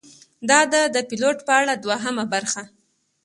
دا ده د پیلوټ په اړه دوهمه برخه: